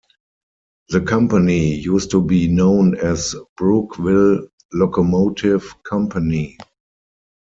The company used to be known as Brookville Locomotive Company.